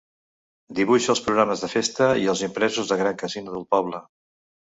Dibuixa els programes de festa i els impresos del Gran Casino del poble.